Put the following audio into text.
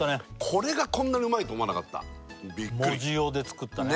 これがこんなにうまいと思わなかったびっくり藻塩で作ったね